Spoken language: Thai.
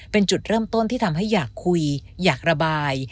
เป็นจุดเริ่มต้นที่ทำให้อยากคุยอยากระบาย